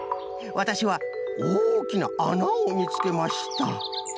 わたしはおおきなあなをみつけました